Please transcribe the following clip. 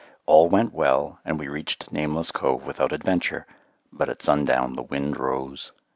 All went well, and we reached Nameless Cove without adventure, but at sundown the wind rose.